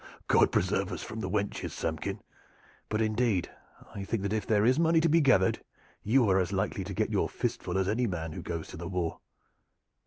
"God preserve us from the wenches, Samkin! But indeed I think that if there is money to be gathered you are as likely to get your fist full as any man who goes to the war.